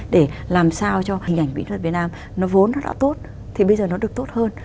để làm sao cho hình ảnh mỹ thuật việt nam nó vốn nó đã tốt thì bây giờ nó được tốt hơn